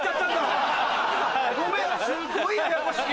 ごめんすっごいややこしい。